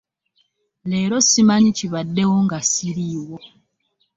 Leero simanyi kibadewo nga siriiwo.